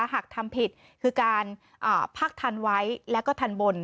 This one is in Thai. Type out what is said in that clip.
หากทำผิดคือการพักทันไว้แล้วก็ทันบน